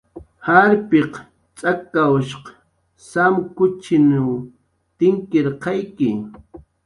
Jarpiq tz'akawshq samkuchinw tinkirqayki